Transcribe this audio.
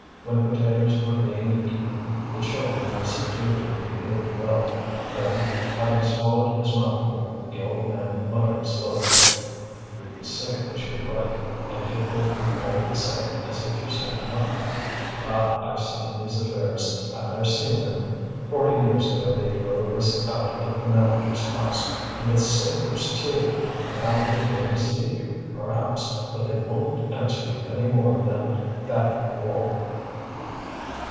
When potatoes were being eaten, the children were subdued and behaved well. Then, having swallowed his mouthful, the old man muttered slowly: "You can say what you like, and it will be all the same as if you said nothing. Ah! I've seen these affairs, I've seen them! Forty years ago they drove us out of the manager's house, and with sabres too! Now they may receive you, perhaps, but they won't answer you any more than that wall.